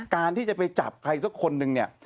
การที่จะไปจับใครสักคนนึงเนี่ย